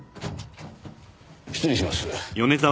失礼します。